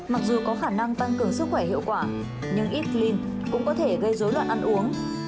mặc dù có khả năng tăng cường sức khỏe hiệu quả nhưng ít line cũng có thể gây dối loạn ăn uống